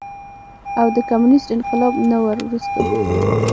او د کميونسټ انقلاب نه وروستو